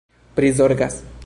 prizorgas